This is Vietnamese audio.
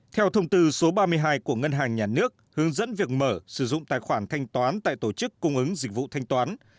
theo thông tư số ba mươi hai của ngân hàng nhà nước hướng dẫn việc mở sử dụng tài khoản thanh toán tại tổ chức cung ứng dịch vụ thanh toán